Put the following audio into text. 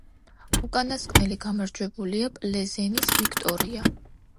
უკანასკნელი გამარჯვებულია პლზენის „ვიქტორია“.